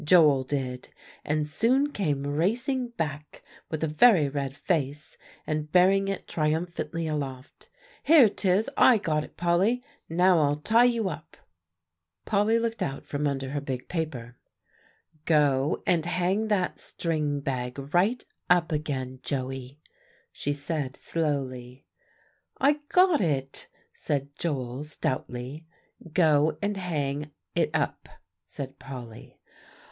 Joel did, and soon came racing back with a very red face, and bearing it triumphantly aloft. "Here 'tis! I got it, Polly; now I'll tie you up." [Illustration: Joel came racing back.] Polly looked out from under her big paper "Go and hang that string bag right up again, Joey," she said slowly. "I got it," said Joel stoutly. "Go and hang it up," said Polly.